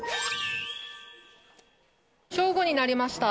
正午になりました。